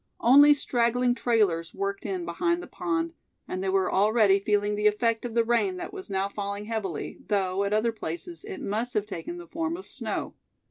Only straggling trailers worked in behind the pond, and they were already feeling the effect of the rain that was now falling heavily, though at other places it must have taken the form of snow.